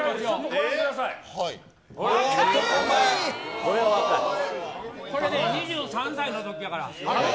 これね、２３歳のときやから。